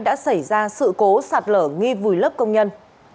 đã xảy ra sự cố sạt lở nghi vùi lấp công nhân